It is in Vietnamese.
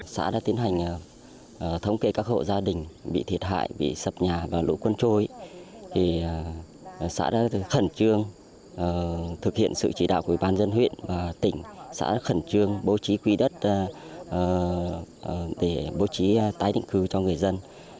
xã đã tiến hành thống kê các hộ gia đình bị thiệt hại bị sập nhà và lũ quân trôi xã đã khẩn trương thực hiện sự chỉ đạo của ủy ban dân huyện và tỉnh xã đã khẩn trương bố trí quy đất để bố trí tái định cư cho người dân